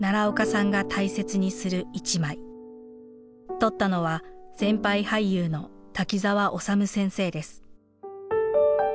撮ったのは先輩俳優の滝沢修先生です。